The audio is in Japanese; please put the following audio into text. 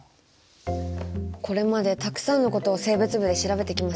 これまでたくさんのことを生物部で調べてきましたもんね。